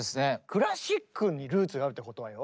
クラシックにルーツがあるってことはよ